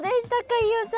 飯尾さん。